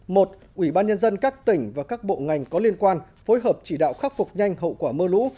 một ủy ban nhân dân các tỉnh và các bộ ngành có liên quan phối hợp chỉ đạo khắc phục nhanh hậu quả mưa lũ